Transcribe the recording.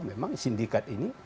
memang sindikat ini